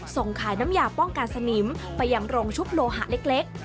ส่งขายน้ำยาป้องกันสนิมไปยังโรงชุบโลหะเล็ก